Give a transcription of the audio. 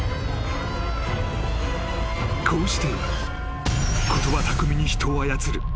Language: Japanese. ［こうして言葉巧みに人を操る明美の］